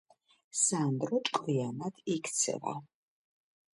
სანდრო ჭკვიანად იქცევა